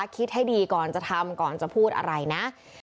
คิดให้ดีก่อนจะทำก่อนจะพูดอะไรนะ